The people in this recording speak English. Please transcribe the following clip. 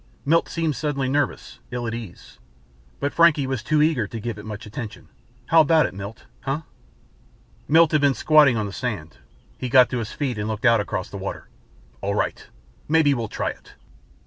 Milt seemed suddenly nervous, ill at ease. But Frankie was too eager to give it much attention. "How about it, Milt huh?" Milt had been squatting on the sand. He got to his feet and looked out across the water. "All right. Maybe we'll try it."